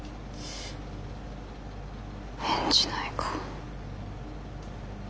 返事ないか。